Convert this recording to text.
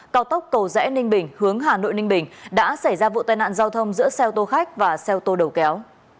cao tốc cầu rẽ ninh bình hướng hà nội ninh bình đã xảy ra vụ tai nạn giao thông giữa xeo tô khách và xeo tô đầu kéo